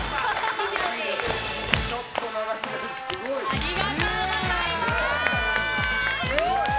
ありがとうございます！